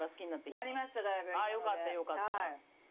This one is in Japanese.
あぁよかったよかった。